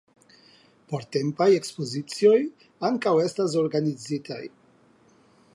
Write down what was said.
Portempaj ekspozicioj ankaŭ estas organizitaj.